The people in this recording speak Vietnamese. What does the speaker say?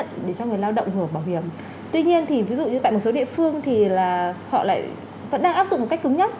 tuy nhiên thì ví dụ như tại một số địa phương thì là họ lại vẫn đang áp dụng một cách cứng nhất